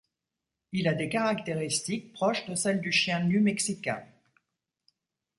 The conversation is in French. Il a des caractéristiques proches de celles du chien nu mexicain.